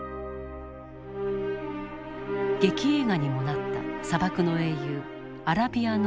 劇映画にもなった砂漠の英雄アラビアのロレンス。